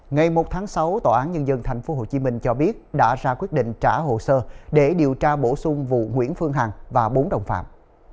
ngày một tháng sáu tòa án nhân dân tp hcm cho biết đã ra quyết định trả hồ sơ để điều tra bổ sung vụ nguyễn phương hằng và bốn đồng phạm